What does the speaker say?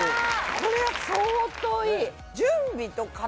これは相当いい。